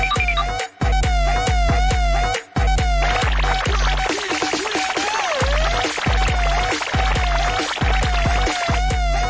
สวัสดีค่ะ